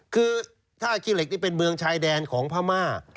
คือท่าขี้เหล็กนี่เป็นเมืองชายแดนของพม่า